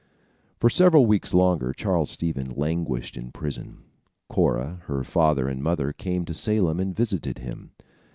For several weeks longer, Charles Stevens languished in prison. Cora, her father and mother came to Salem and visited him.